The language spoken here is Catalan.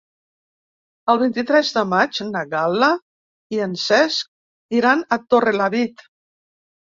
El vint-i-tres de maig na Gal·la i en Cesc iran a Torrelavit.